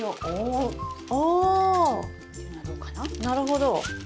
あなるほど。